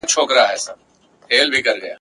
نور ګلاب ورڅخه تللي، دی یوازي غوړېدلی !.